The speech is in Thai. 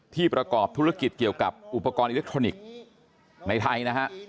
ประกอบธุรกิจเกี่ยวกับอุปกรณ์อิเล็กทรอนิกส์ในไทยนะฮะ